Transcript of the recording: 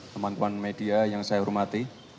teman teman media yang saya hormati